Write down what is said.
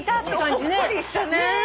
ほっこりしたね。